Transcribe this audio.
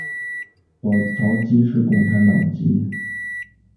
保陶基是共和党籍。